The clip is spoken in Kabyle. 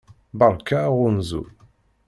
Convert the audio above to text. Beṛka aɣunzu!